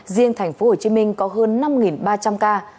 riêng tp hcm có hơn năm ba trăm linh ca